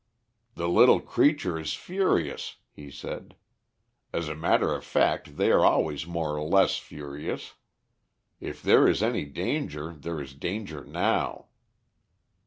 "The little creature is furious," he said. "As a matter of fact, they are always more or less furious. If there is any danger there is danger now."